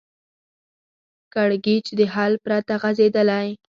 کړکېچ د حل پرته غځېدلی